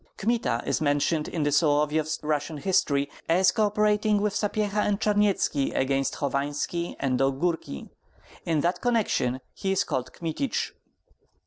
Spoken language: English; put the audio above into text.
Kmita is mentioned in Solovyóff's Russian history as co operating with Sapyeha and Charnyetski against Hovanski and Dolgoruki; in that connection he is called Kmitich.